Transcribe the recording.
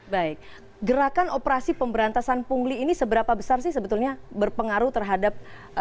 baik gerakan operasi pemberantasan pungli ini seberapa besar sih sebetulnya berpengaruh terhadap